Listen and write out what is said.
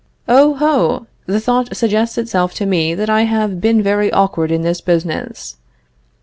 Oh! ho! the thought suggests itself to me that I have been very awkward in this business.